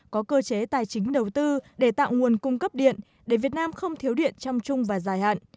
có cơ chế tài chính đầu tư để tạo nguồn cung cấp điện để việt nam không thiếu điện trong chung và dài hạn